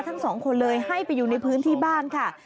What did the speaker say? ทั้งสองคนเลยให้ไปอยู่ในพื้นที่บ้านค่ะ